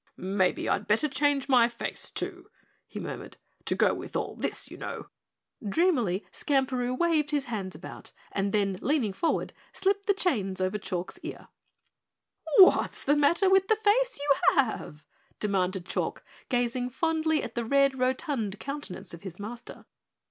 "Maybe I'd better change my face, too," he murmured, "to go with all this, you know." Dreamily Skamperoo waved his hands about, and then, leaning forward, slipped the chains over Chalk's ear. "What's the matter with the face you have?" demanded Chalk, gazing fondly at the red, rotund countenance of his Master.